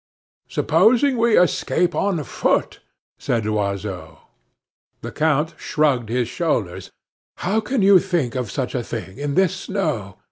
"Supposing we escape on foot?" said Loiseau. The count shrugged his shoulders. "How can you think of such a thing, in this snow?